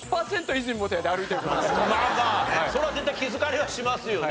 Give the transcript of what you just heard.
まあまあそれは絶対気づかれはしますよね。